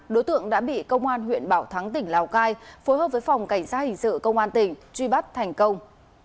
đối tượng đã bị công an huyện bảo thắng tỉnh lào cai phối hợp với phòng cảnh sát hình sự công an tỉnh truy bắt thành công